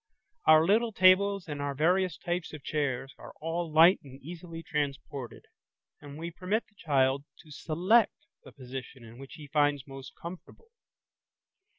Our little tables and our various types of chairs are all light and easily transported, and we permit the child to select the position which he finds most comfortable.